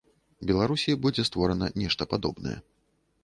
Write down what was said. Беларусі будзе створана нешта падобнае.